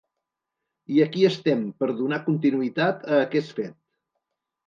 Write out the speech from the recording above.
I aquí estem per donar continuïtat a aquest fet.